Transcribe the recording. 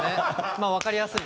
まあ分かりやすい。